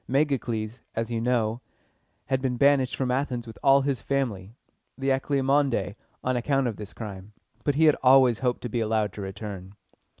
Megacles, as you know, had been banished from Athens with all his family (the Alcmæonidæ) on account of this crime, but he had always hoped to be allowed to return.